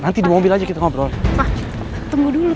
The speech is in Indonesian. aku ambil di dapur aja deh